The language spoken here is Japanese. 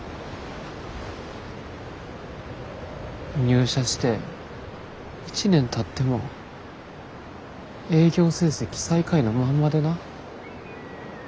入社して１年たっても営業成績最下位のまんまでな。